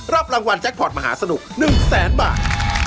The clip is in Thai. รับรางวัลแจ็คพอร์ตมหาสนุก๑แสนบาท